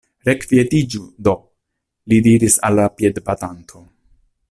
Rekvietiĝu do! li diris al la piedbatanto.